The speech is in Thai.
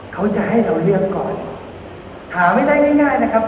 เขาจะให้เราเลือกก่อน